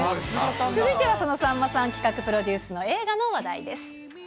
続いてはそのさんまさん企画、プロデュースの映画の話題です。